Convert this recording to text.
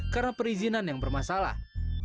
karena perizinan yang bermasalah